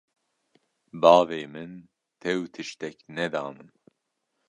bavê min tew tiştek ne da min